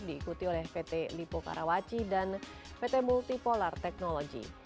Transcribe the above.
diikuti oleh pt lipo karawaci dan pt multipolar technology